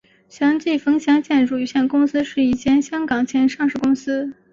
祥记冯祥建筑有限公司是一间香港前上市公司。